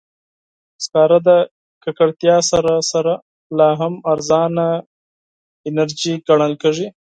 سکاره د ککړتیا سره سره، لا هم ارزانه انرژي ګڼل کېږي.